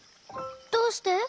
どうして？